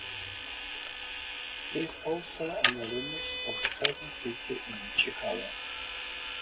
He is also an alumnus of The Second City in Chicago.